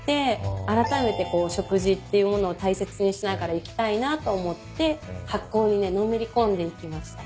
あらためて食事っていうものを大切にしながら生きたいなと思って発酵にねのめり込んでいきました。